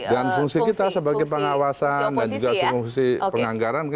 dan fungsi kita sebagai pengawasan dan juga fungsi penganggaran